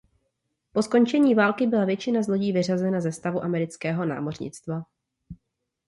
Po skončení války byla většina z lodí vyřazena ze stavu amerického námořnictva.